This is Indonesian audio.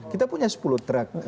kita punya sepuluh truk